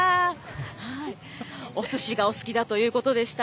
おすしがお好きだということでした。